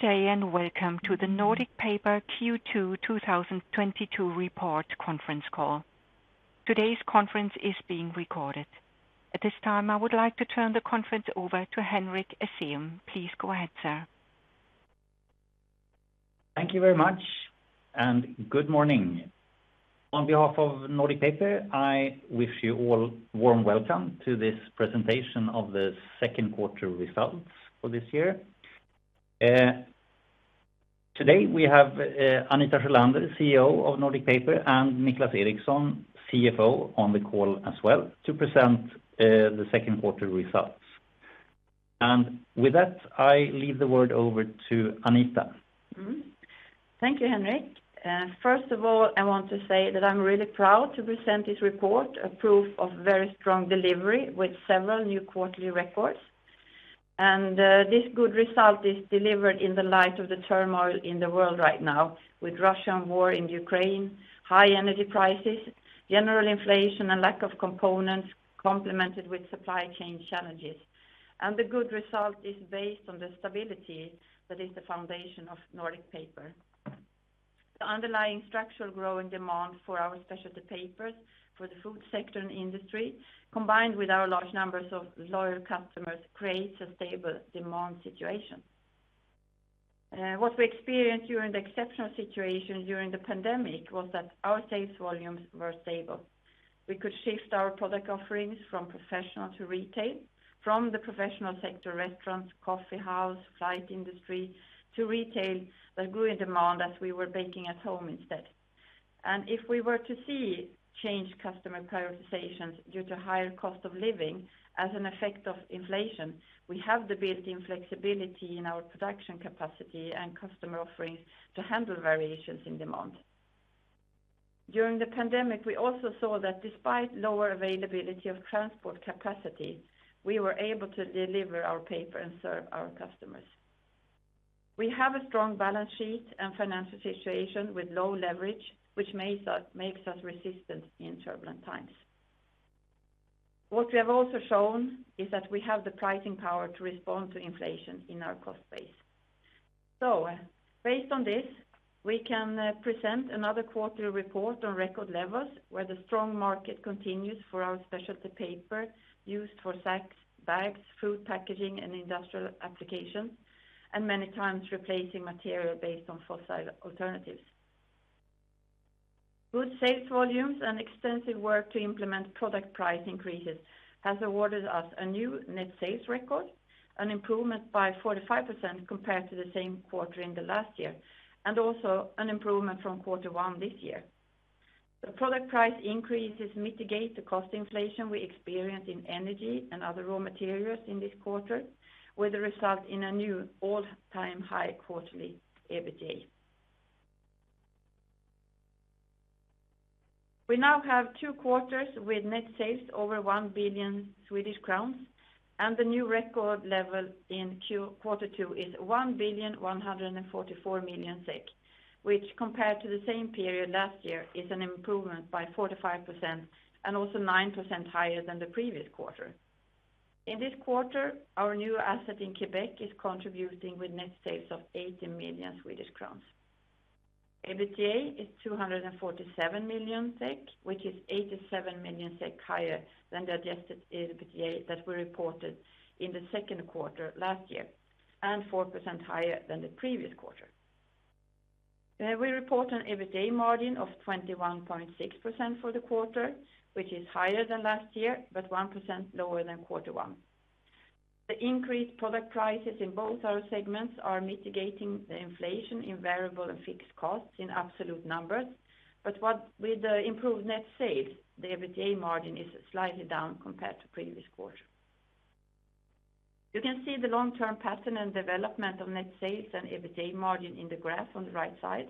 Good day and welcome to the Nordic Paper Q2 2022 report conference call. Today's conference is being recorded. At this time, I would like to turn the conference over to Henrik Essén. Please go ahead, sir. Thank you very much, and good morning. On behalf of Nordic Paper, I wish you all warm welcome to this presentation of the second quarter results for this year. Today, we have Anita Sjölander, CEO of Nordic Paper, and Niclas Eriksson, CFO, on the call as well to present the second quarter results. With that, I leave the word over to Anita. Thank you, Henrik. First of all, I want to say that I'm really proud to present this report, a proof of very strong delivery with several new quarterly records. This good result is delivered in the light of the turmoil in the world right now, with Russian war in Ukraine, high energy prices, general inflation, and lack of components complemented with supply chain challenges. The good result is based on the stability that is the foundation of Nordic Paper. The underlying structural growing demand for our specialty papers for the food sector and industry, combined with our large numbers of loyal customers, creates a stable demand situation. What we experienced during the exceptional situation during the pandemic was that our sales volumes were stable. We could shift our product offerings from professional to retail, from the professional sector, restaurants, coffee house, flight industry, to retail that grew in demand as we were baking at home instead. If we were to see changed customer prioritizations due to higher cost of living as an effect of inflation, we have the built-in flexibility in our production capacity and customer offerings to handle variations in demand. During the pandemic, we also saw that despite lower availability of transport capacity, we were able to deliver our paper and serve our customers. We have a strong balance sheet and financial situation with low leverage, which makes us resistant in turbulent times. What we have also shown is that we have the pricing power to respond to inflation in our cost base. Based on this, we can present another quarterly report on record levels, where the strong market continues for our specialty paper used for sacks, bags, food packaging, and industrial applications, and many times replacing material based on fossil alternatives. Good sales volumes and extensive work to implement product price increases has awarded us a new net sales record, an improvement by 45% compared to the same quarter in the last year, and also an improvement from quarter one this year. The product price increases mitigate the cost inflation we experienced in energy and other raw materials in this quarter, with a result in a new all-time high quarterly EBITDA. We now have two quarters with net sales over 1 billion Swedish crowns, and the new record level in quarter two is 1,144 million SEK, which compared to the same period last year, is an improvement by 45% and also 9% higher than the previous quarter. In this quarter, our new asset in Québec is contributing with net sales of 80 million Swedish crowns. EBITDA is 247 million SEK, which is 87 million SEK higher than the adjusted EBITDA that we reported in the second quarter last year, and 4% higher than the previous quarter. We report an EBITDA margin of 21.6% for the quarter, which is higher than last year, but 1% lower than quarter one. The increased product prices in both our segments are mitigating the inflation in variable and fixed costs in absolute numbers, but with the improved net sales, the EBITDA margin is slightly down compared to previous quarter. You can see the long-term pattern and development of net sales and EBITDA margin in the graph on the right side.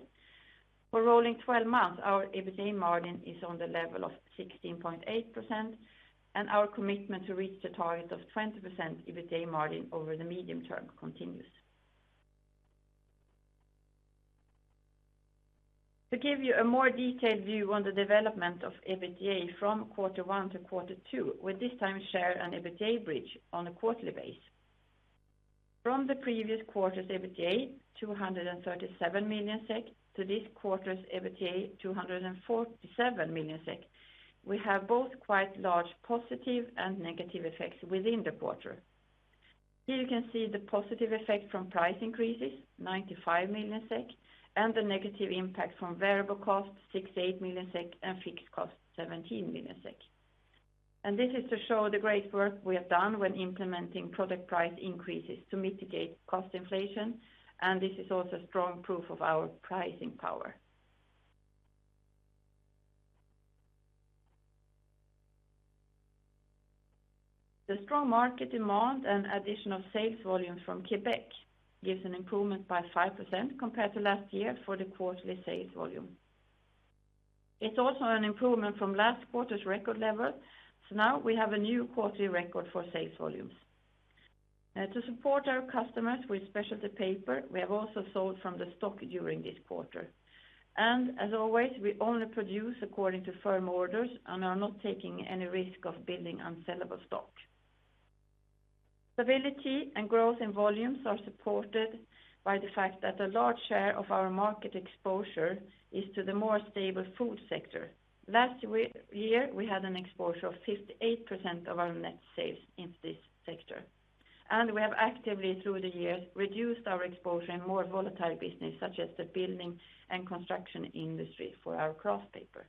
For rolling 12 months, our EBITDA margin is on the level of 16.8%, and our commitment to reach the target of 20% EBITDA margin over the medium term continues. To give you a more detailed view on the development of EBITDA from quarter one to quarter two, we'll this time share an EBITDA bridge on a quarterly basis. From the previous quarter's EBITDA, 237 million SEK, to this quarter's EBITDA, 247 million SEK, we have both quite large positive and negative effects within the quarter. Here you can see the positive effect from price increases, 95 million SEK, and the negative impact from variable costs, 68 million SEK, and fixed costs, 17 million SEK. This is to show the great work we have done when implementing product price increases to mitigate cost inflation, and this is also strong proof of our pricing power. The strong market demand and additional sales volume from Québec gives an improvement by 5% compared to last year for the quarterly sales volume. It's also an improvement from last quarter's record level, so now we have a new quarterly record for sales volumes. Now to support our customers with specialty paper, we have also sold from the stock during this quarter. As always, we only produce according to firm orders and are not taking any risk of building unsellable stock. Stability and growth in volumes are supported by the fact that a large share of our market exposure is to the more stable food sector. Last year, we had an exposure of 58% of our net sales in this sector, and we have actively through the years reduced our exposure in more volatile business, such as the building and construction industry for our kraft paper.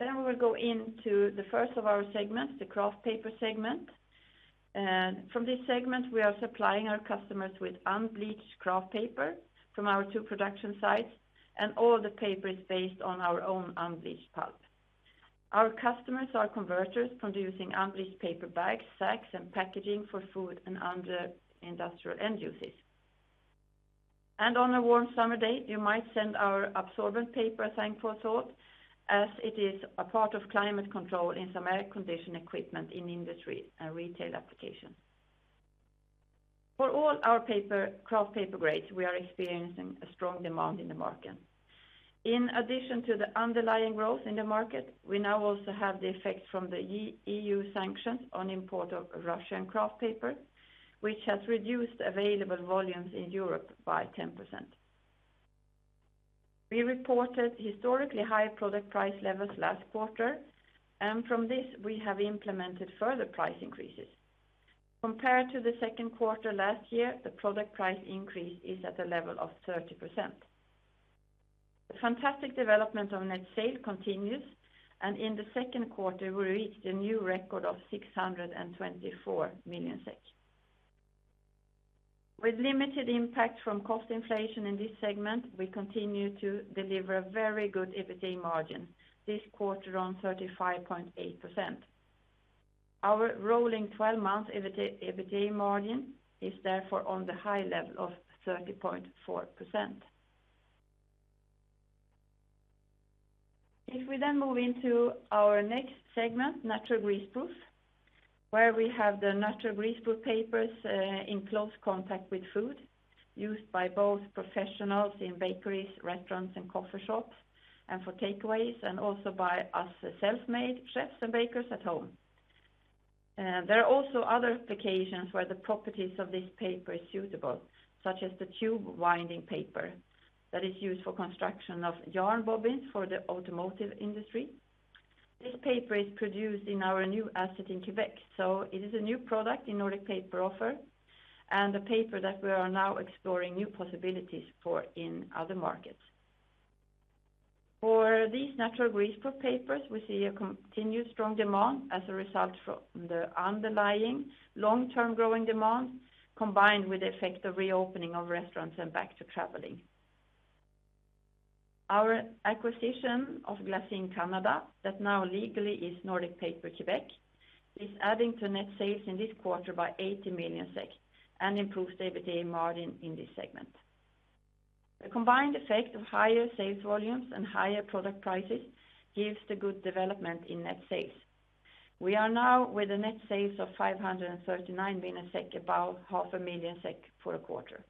We will go into the first of our segments, the kraft paper segment. From this segment, we are supplying our customers with unbleached kraft paper from our two production sites, and all the paper is based on our own unbleached pulp. Our customers are converters producing unbleached paper bags, sacks, and packaging for food and other industrial end uses. On a warm summer day, you might send our absorbent paper a thankful thought, as it is a part of climate control in some air condition equipment in industry and retail applications. For all our paper, kraft paper grades, we are experiencing a strong demand in the market. In addition to the underlying growth in the market, we now also have the effect from the EU sanctions on import of Russian kraft paper, which has reduced available volumes in Europe by 10%. We reported historically high product price levels last quarter, and from this we have implemented further price increases. Compared to the second quarter last year, the product price increase is at a level of 30%. The fantastic development of net sale continues, and in the second quarter we reached a new record of 624 million SEK. With limited impact from cost inflation in this segment, we continue to deliver very good EBITDA margin, this quarter on 35.8%. Our rolling 12-month EBITDA margin is therefore on the high level of 30.4%. If we then move into our next segment, Natural Greaseproof, where we have the Natural Greaseproof papers, in close contact with food, used by both professionals in bakeries, restaurants, and coffee shops, and for takeaways, and also by us self-made chefs and bakers at home. There are also other applications where the properties of this paper is suitable, such as the tube winding paper that is used for construction of yarn bobbins for the automotive industry. This paper is produced in our new asset in Québec, so it is a new product in Nordic Paper offer, and a paper that we are now exploring new possibilities for in other markets. For these Natural Greaseproof papers, we see a continued strong demand as a result from the underlying long-term growing demand, combined with the effect of reopening of restaurants and back to traveling. Our acquisition of Glassine Canada, that now legally is Nordic Paper Québec, is adding to net sales in this quarter by 80 million SEK and improves EBITDA margin in this segment. The combined effect of higher sales volumes and higher product prices gives the good development in net sales. We are now with a net sales of 539 million SEK, about SEK 500,000 for a quarter.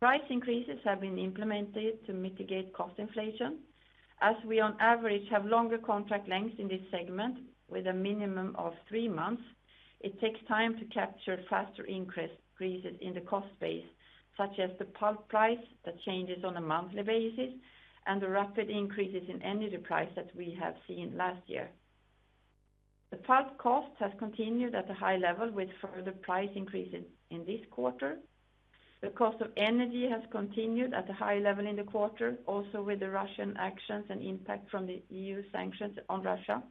Price increases have been implemented to mitigate cost inflation. As we on average have longer contract lengths in this segment, with a minimum of three months, it takes time to capture faster increases in the cost base, such as the pulp price that changes on a monthly basis and the rapid increases in energy price that we have seen last year. The pulp cost has continued at a high level with further price increases in this quarter. The cost of energy has continued at a high level in the quarter, also with the Russian actions and impact from the EU sanctions on Russia.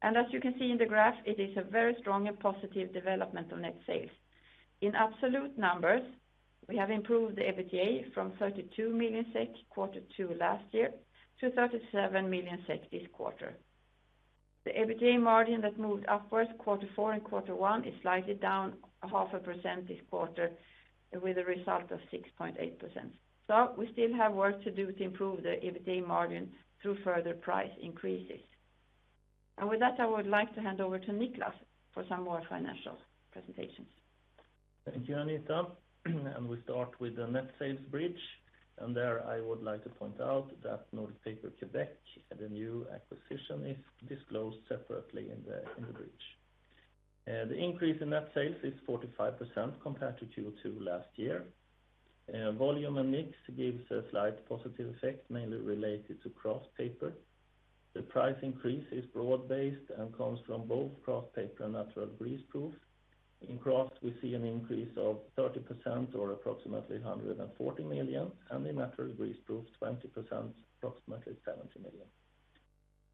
As you can see in the graph, it is a very strong and positive development of net sales. In absolute numbers, we have improved the EBITDA from 32 million SEK quarter two last year to 37 million SEK this quarter. The EBITDA margin that moved upwards quarter four and quarter one is slightly down 0.5% this quarter with a result of 6.8%. We still have work to do to improve the EBITDA margin through further price increases. With that, I would like to hand over to Niklas for some more financial presentations. Thank you, Anita. We start with the net sales bridge, and there I would like to point out that Nordic Paper Québec, the new acquisition, is disclosed separately in the bridge. The increase in net sales is 45% compared to Q2 last year. Volume and mix gives a slight positive effect, mainly related to kraft paper. The price increase is broad-based and comes from both kraft paper and Natural Greaseproof. In kraft, we see an increase of 30% or approximately 140 million, and in Natural Greaseproof, 20%, approximately 70 million.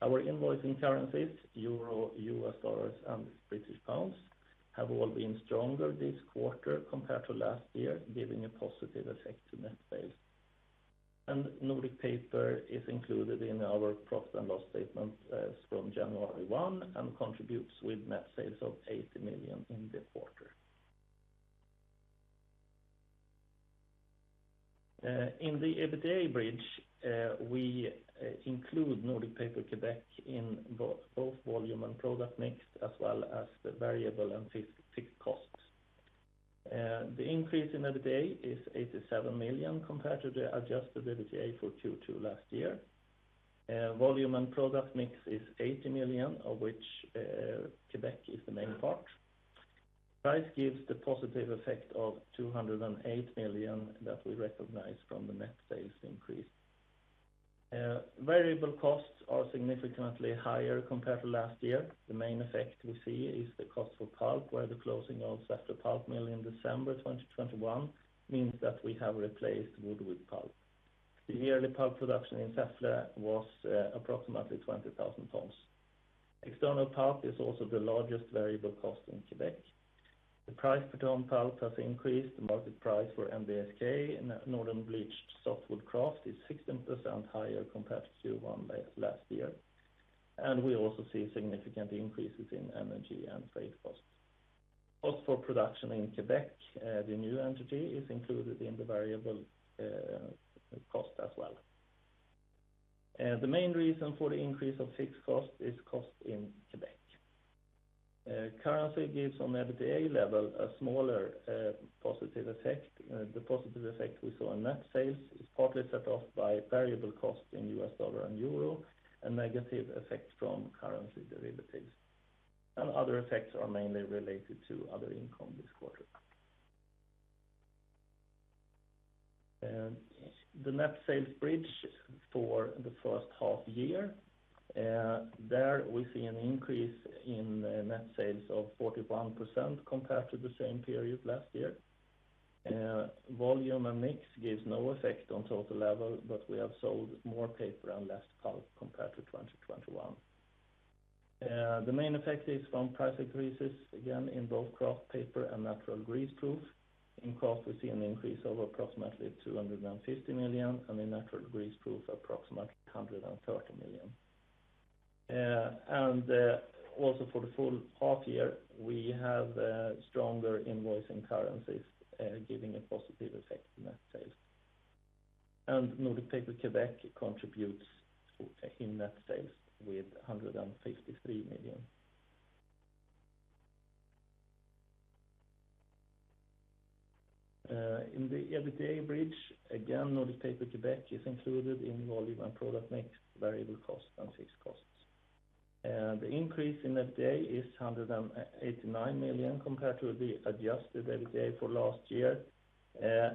Our invoicing currencies, euro, US dollars, and British pounds, have all been stronger this quarter compared to last year, giving a positive effect to net sales. Nordic Paper is included in our profit and loss statement from January 1, and contributes with net sales of 80 million in this quarter. In the EBITDA bridge, we include Nordic Paper Québec in both volume and product mix, as well as the variable and fixed costs. The increase in EBITDA is 87 million compared to the adjusted EBITDA for Q2 last year. Volume and product mix is 80 million, of which Québec is the main part. Price gives the positive effect of 208 million that we recognize from the net sales increase. Variable costs are significantly higher compared to last year. The main effect we see is the cost for pulp, where the closing of Säffle pulp mill in December 2021 means that we have replaced wood with pulp. The yearly pulp production in Säffle was approximately 20,000 tons. External pulp is also the largest variable cost in Quebec. The price for domestic pulp has increased. The market price for NBSK, northern bleached softwood kraft, is 16% higher compared to Q1 last year. We also see significant increases in energy and freight costs. Cost for production in Quebec, the new entity, is included in the variable cost as well. The main reason for the increase of fixed cost is cost in Quebec. Currency gives, on EBITDA level, a smaller positive effect. The positive effect we saw in net sales is partly set off by variable costs in US dollar and euro, and negative effect from currency derivatives. Other effects are mainly related to other income this quarter. The net sales bridge for the first half year, there we see an increase in net sales of 41% compared to the same period last year. Volume and mix gives no effect on total level, but we have sold more paper and less pulp compared to 2021. The main effect is from price increases, again, in both kraft paper and Natural Greaseproof. In kraft, we see an increase of approximately 250 million, and in Natural Greaseproof, approximately 130 million. Also for the full half year, we have stronger invoicing currencies, giving a positive effect in net sales. Nordic Paper Québec contributes in net sales with 153 million. In the EBITDA bridge, again, Nordic Paper Québec is included in volume and product mix, variable costs, and fixed costs. The increase in EBITDA is 189 million compared to the adjusted EBITDA for last year. As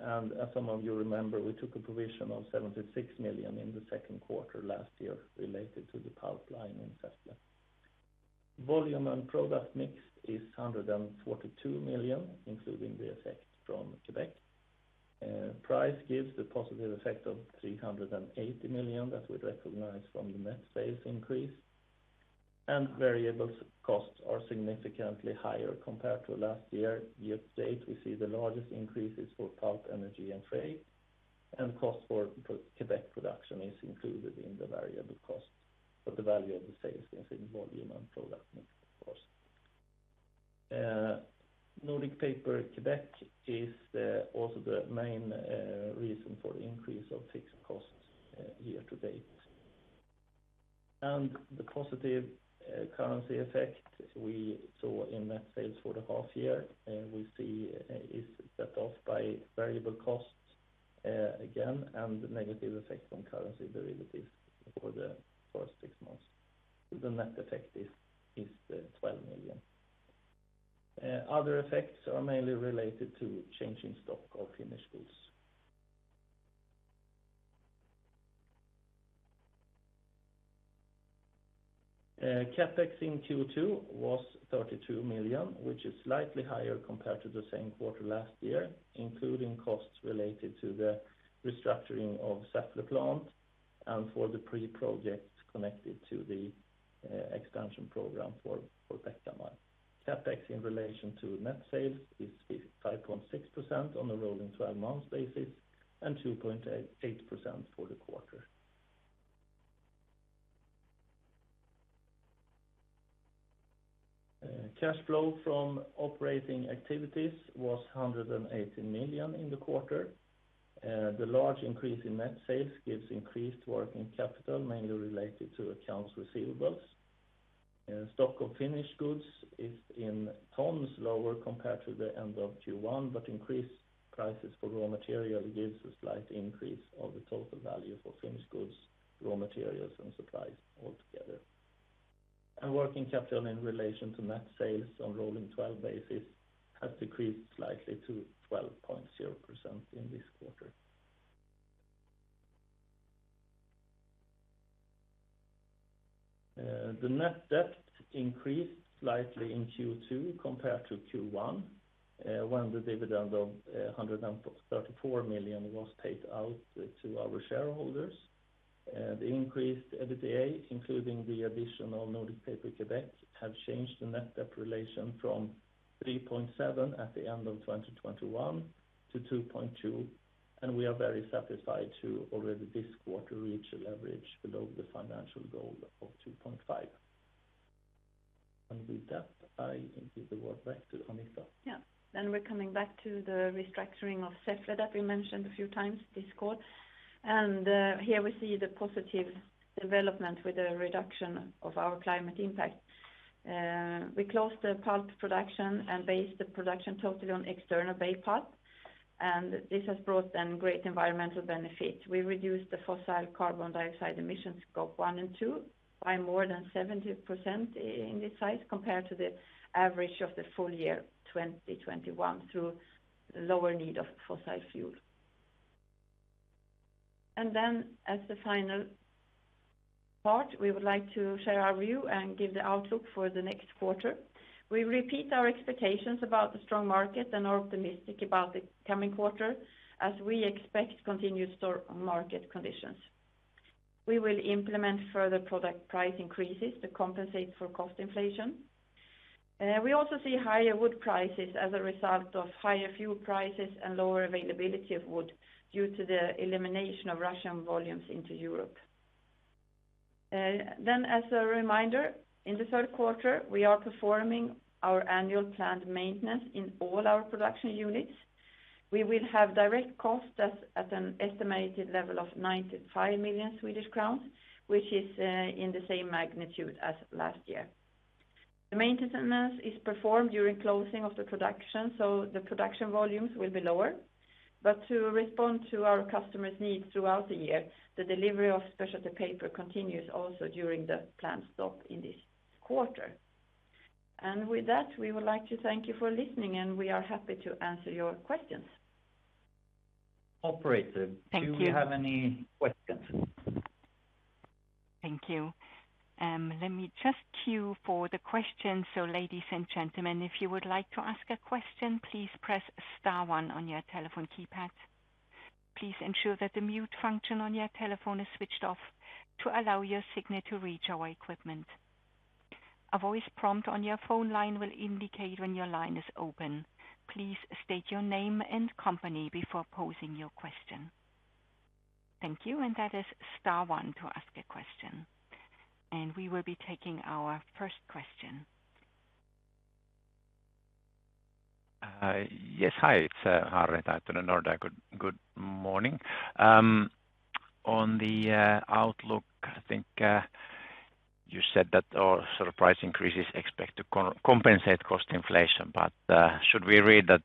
some of you remember, we took a provision of 76 million in the second quarter last year related to the pulp line in Säffle. Volume and product mix is 142 million, including the effect from Québec. Price gives the positive effect of 380 million that we recognize from the net sales increase. Variable costs are significantly higher compared to last year. Year-to-date, we see the largest increases for pulp, energy, and freight, and cost for Québec production is included in the variable costs, but the value of the sales is in volume and product mix, of course. Nordic Paper Québec is also the main reason for the increase of fixed costs year-to-date. The positive currency effect we saw in net sales for the half year we see is set off by variable costs again and negative effect on currency derivatives for the first six months. The net effect is 12 million. Other effects are mainly related to change in stock of finished goods. CapEx in Q2 was 32 million, which is slightly higher compared to the same quarter last year, including costs related to the restructuring of Säffle plant and for the pre-projects connected to the expansion program for Bäckhammar. CapEx in relation to net sales is 5.6% on a rolling 12 months basis, and 2.88% for the quarter. Cash flow from operating activities was 118 million in the quarter. The large increase in net sales gives increased working capital, mainly related to accounts receivables. Stock of finished goods is, in tons, lower compared to the end of Q1, but increased prices for raw material gives a slight increase of the total value for finished goods, raw materials, and supplies altogether. Working capital in relation to net sales on rolling 12 basis has decreased slightly to 12.0% in this quarter. The net debt increased slightly in Q2 compared to Q1, when the dividend of 134 million was paid out, to our shareholders. The increased EBITDA, including the addition of Nordic Paper Québec, have changed the net debt relation from 3.7 at the end of 2021 to 2.2, and we are very satisfied to already this quarter reach a leverage below the financial goal of 2.5. With that, I give the word back to Anita. Yeah. We're coming back to the restructuring of Säffle that we mentioned a few times this call. Here we see the positive development with the reduction of our climate impact. We closed the pulp production and based the production totally on external bale pulp, and this has brought a great environmental benefit. We reduced the fossil carbon dioxide emissions Scope 1 and 2 by more than 70% in this site compared to the average of the full year 2021 through lower need of fossil fuel. As the final part, we would like to share our view and give the outlook for the next quarter. We repeat our expectations about the strong market and are optimistic about the coming quarter as we expect continued strong market conditions. We will implement further product price increases to compensate for cost inflation. We also see higher wood prices as a result of higher fuel prices and lower availability of wood due to the elimination of Russian volumes into Europe. As a reminder, in the third quarter, we are performing our annual planned maintenance in all our production units. We will have direct costs at an estimated level of 95 million Swedish crowns, which is in the same magnitude as last year. The maintenance is performed during closing of the production, so the production volumes will be lower. To respond to our customers' needs throughout the year, the delivery of specialty paper continues also during the planned stop in this quarter. With that, we would like to thank you for listening, and we are happy to answer your questions. Operator, do we have any questions? Thank you. Let me just cue for the questions. Ladies and gentlemen, if you would like to ask a question, please press star one on your telephone keypad. Please ensure that the mute function on your telephone is switched off to allow your signal to reach our equipment. A voice prompt on your phone line will indicate when your line is open. Please state your name and company before posing your question. Thank you, and that is star one to ask a question. We will be taking our first question. Yes. Hi, it's Harri Taittonen, Nordea. Good morning. On the outlook, I think you said that sort of price increases expected to compensate cost inflation, but should we read that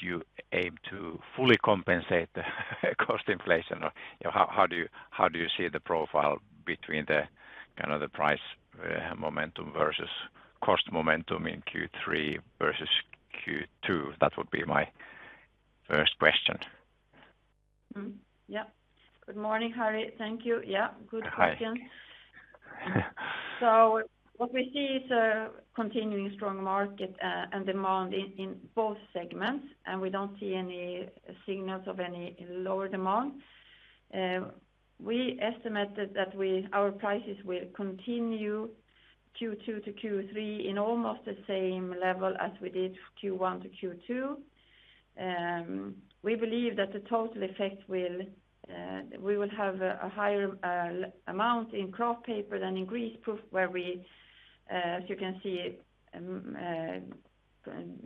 you aim to fully compensate the cost inflation? Or, you know, how do you see the profile between the kind of the price momentum versus cost momentum in Q3 versus Q2? That would be my first question. Yeah. Good morning, Harri. Thank you. Yeah, good question. Hi. What we see is a continuing strong market and demand in both segments, and we don't see any signals of any lower demand. We estimated that our prices will continue Q2 to Q3 in almost the same level as we did Q1 to Q2. We believe that the total effect, we will have a higher amount in kraft paper than in greaseproof, where we, as you can see,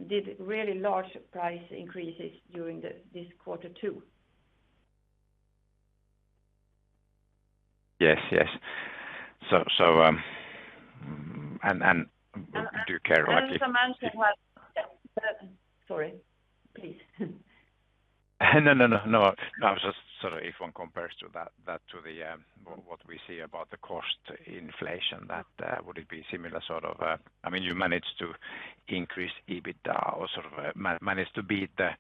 did really large price increases during this quarter too. Yes. Do you care if I keep? Yeah. Sorry. Please. No. I was just sort of if one compares to that to the what we see about the cost inflation, that would it be similar sort of. I mean, you managed to increase EBITDA or sort of managed to beat the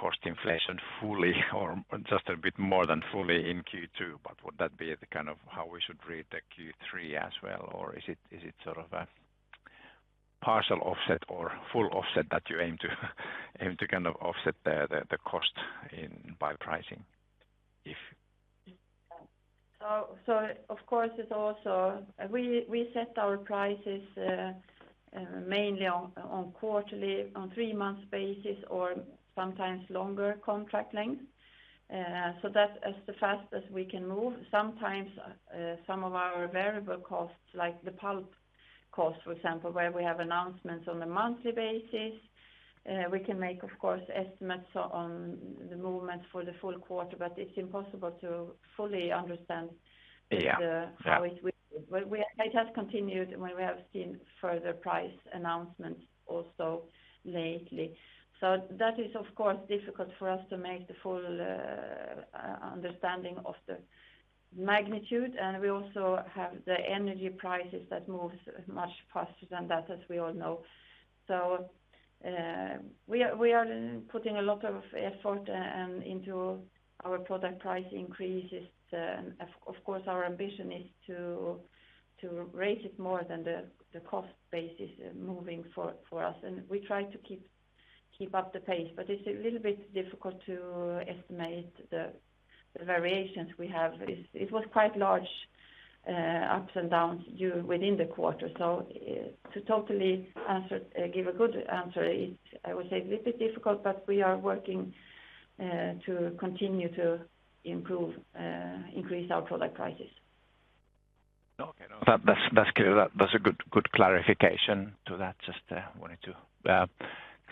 cost inflation fully or just a bit more than fully in Q2, but would that be the kind of how we should read the Q3 as well? Or is it sort of a partial offset or full offset that you aim to kind of offset the cost in by pricing. Of course, it's also we set our prices mainly on quarterly on three-month basis or sometimes longer contract length. That's as fast as we can move. Sometimes some of our variable costs, like the pulp costs, for example, where we have announcements on a monthly basis, we can make, of course, estimates on the movement for the full quarter, but it's impossible to fully understand the- Yeah. Yeah How it will. It has continued when we have seen further price announcements also lately. That is, of course, difficult for us to make the full understanding of the magnitude, and we also have the energy prices that moves much faster than that, as we all know. We are putting a lot of effort into our product price increases. Of course, our ambition is to raise it more than the cost basis moving for us. We try to keep up the pace, but it is a little bit difficult to estimate the variations we have. It was quite large ups and downs within the quarter. To give a good answer, it's a little bit difficult, I would say, but we are working to continue to improve, increase our product prices. Okay. No, that's clear. That's a good clarification to that. Just wanted to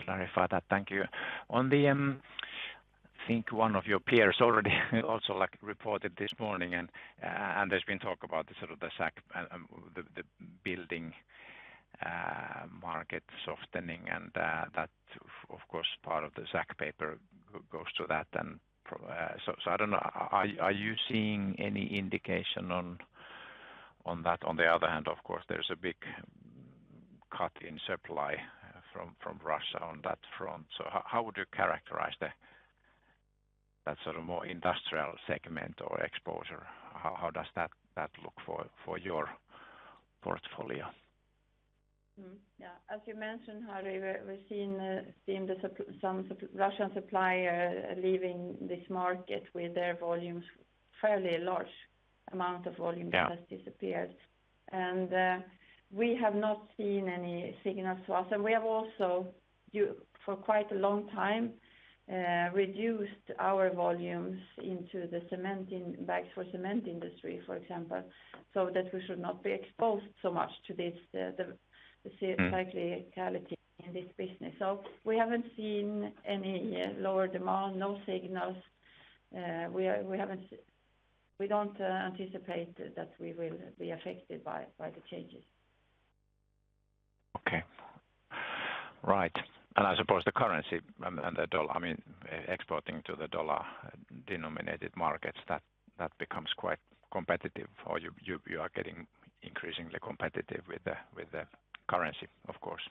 clarify that. Thank you. On the, I think one of your peers already also, like, reported this morning, and there's been talk about the sort of the sack, the building market softening, and that of course, part of the sack paper goes to that then, so I don't know. Are you seeing any indication on that? On the other hand, of course, there's a big cut in supply from Russia on that front. So how would you characterize that sort of more industrial segment or exposure? How does that look for your portfolio? As you mentioned, Harri, we're seeing some Russian supplier leaving this market with their volumes, fairly large amount of volume. Yeah. that has disappeared. We have not seen any signals to us. We have also for quite a long time reduced our volumes into the cement in bags for cement industry, for example, so that we should not be exposed so much to this cyclicality in this business. We haven't seen any lower demand, no signals. We don't anticipate that we will be affected by the changes. Okay. Right. I suppose the currency and the doll- I mean, exporting to the dollar-denominated markets, that becomes quite competitive or you are getting increasingly competitive with the currency, of course.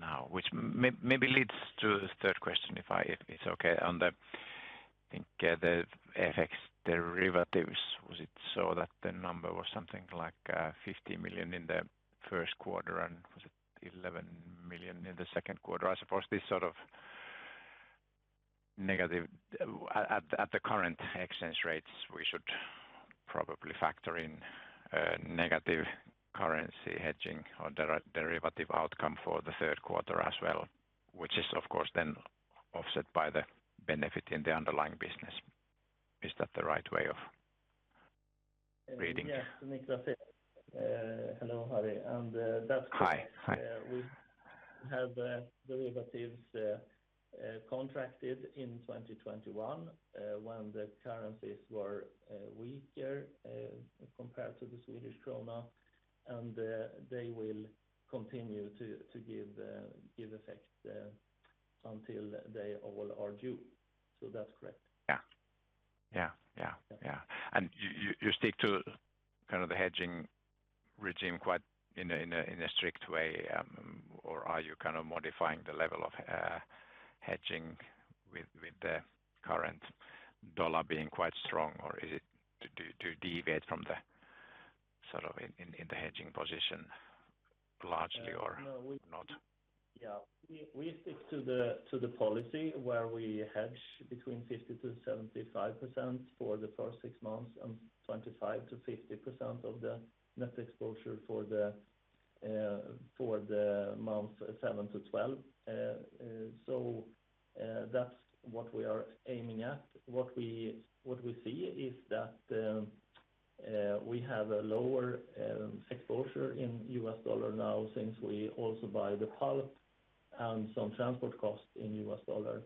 Now, which maybe leads to the third question, if it's okay. On the, I think, the FX derivatives, was it so that the number was something like 50 million in the first quarter, and was it 11 million in the second quarter? I suppose this sort of negative. At the current exchange rates, we should probably factor in negative currency hedging or derivative outcome for the third quarter as well, which is of course then offset by the benefit in the underlying business. Is that the right way of reading? Yeah. Niclas here. Hello, Harri. That's correct. Hi. Hi. We have derivatives contracted in 2021, when the currencies were weaker compared to the Swedish krona. They will continue to give effect until they all are due. That's correct. Yeah. You stick to kind of the hedging regime quite in a strict way, or are you kind of modifying the level of hedging with the current dollar being quite strong? Or is it to deviate from the sort of the hedging position largely or not? Yeah. We stick to the policy where we hedge between 50%-75% for the first six months and 25%-50% of the net exposure for the months seven to 12. That's what we are aiming at. What we see is that we have a lower exposure in US dollar now since we also buy the pulp and some transport costs in US dollar.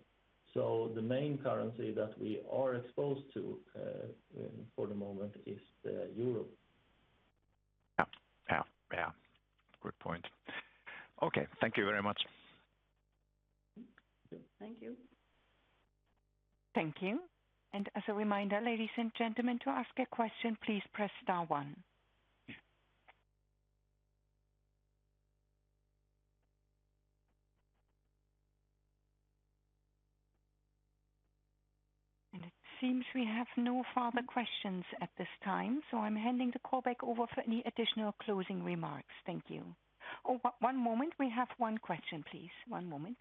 So the main currency that we are exposed to for the moment is the euro. Yeah. Good point. Okay. Thank you very much. Thank you. Thank you. As a reminder, ladies and gentlemen, to ask a question, please press star one. It seems we have no further questions at this time, so I'm handing the call back over for any additional closing remarks. Thank you. Oh, one moment. We have one question, please. One moment.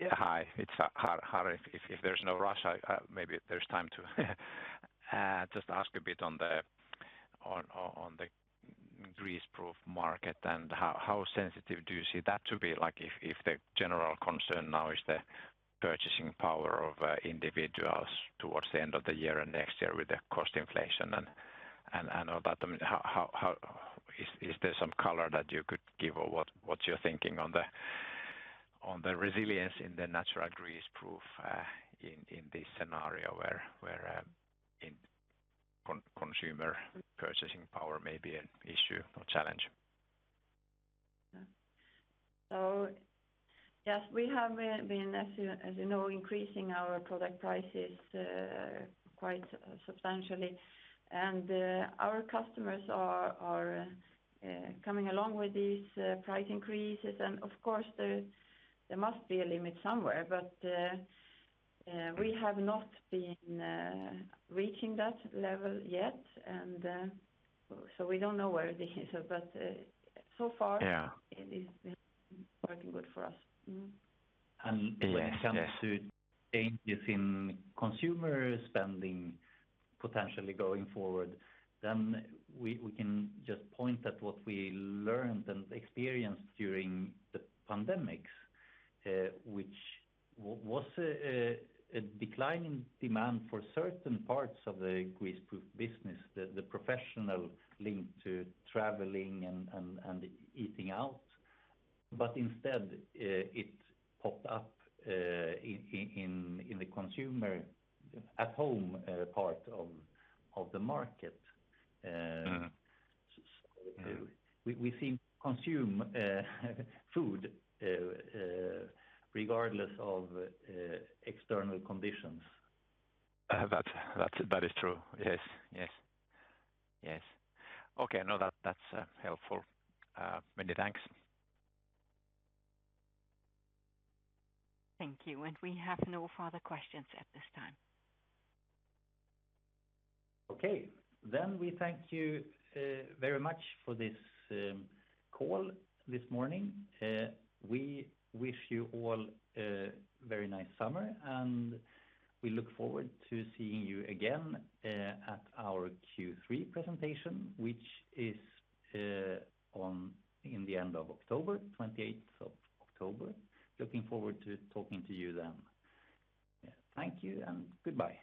Yeah. Hi, it's Harri. If there's no rush, maybe there's time to just ask a bit on the greaseproof market and how sensitive do you see that to be? Like, if the general concern now is the purchasing power of individuals towards the end of the year and next year with the cost inflation and all that, I mean, is there some color that you could give or what you're thinking on the resilience in the natural greaseproof in this scenario where consumer purchasing power may be an issue or challenge? Yes, we have been as you know increasing our product prices quite substantially. Our customers are coming along with these price increases. Of course, there must be a limit somewhere. We have not been reaching that level yet. We don't know where this is. So far. Yeah. It is been working good for us. When it comes to changes in consumer spending potentially going forward, we can just point at what we learned and experienced during the pandemics, which was a decline in demand for certain parts of the greaseproof business, the professional link to traveling and eating out. Instead, it popped up in the consumer at home part of the market. We seem to consume food regardless of external conditions. That is true. Yes. Okay. No, that's helpful. Many thanks. Thank you. We have no further questions at this time. Okay. We thank you very much for this call this morning. We wish you all a very nice summer, and we look forward to seeing you again at our Q3 presentation, which is in the end of October, 28th of October. Looking forward to talking to you then. Yeah. Thank you and goodbye.